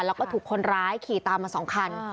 แล้วก็ถูกคนร้ายขี่ตามมา๒คัน